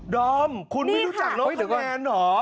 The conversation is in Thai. ดอมคุณไม่รู้จักน้องคาแนนหรอ